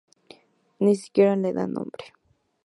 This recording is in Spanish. Ni siquiera le da nombre.